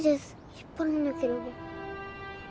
引っ張らなければ。